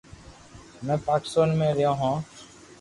ھمي پاڪستان مي رھيو ھون